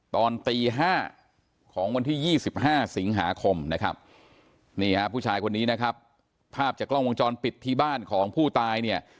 ตอนตี๕ของวันที่๒๕สิงหาคมนะครับนี่ฮะผู้ชายคนนี้นะครับภาพจากกล้องวงจรปิดที่บ้านของผู้ตายเนี่ย